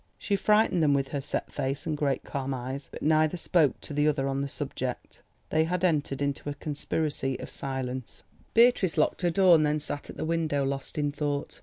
She frightened them with her set face and great calm eyes. But neither spoke to the other on the subject. They had entered into a conspiracy of silence. Beatrice locked her door and then sat at the window lost in thought.